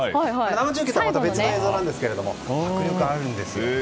生中継とは別の映像なんですが迫力あるんです。